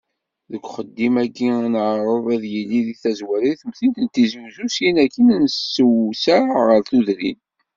Deg uxeddim-agi, ad neɛreḍ, ad yili di tazwara di temdint n Tizi Uzzu, syin akin ad nessewseɛ ɣer tudrin.